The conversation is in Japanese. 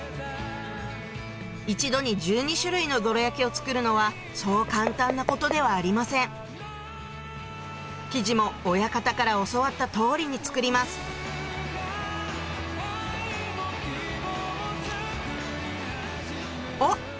一度に１２種類のどら焼きを作るのはそう簡単なことではありません生地も親方から教わった通りに作りますおっ！